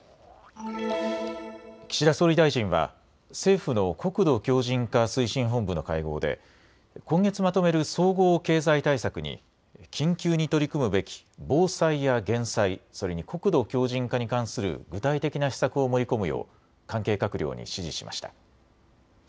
岸田総理大臣は政府の国土強じん化推進本部の会合で今月まとめる総合経済対策に緊急に取り組むべき防災や減災、それに国土強じん化に関する具体的な施策を盛り込むよう関係閣僚に指示しました。